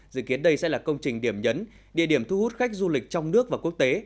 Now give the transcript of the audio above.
dự kiến đây sẽ là công trình điểm nhấn địa điểm thu hút khách du lịch trong nước và quốc tế